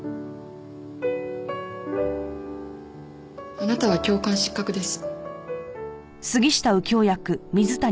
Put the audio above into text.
あなたは教官失格です。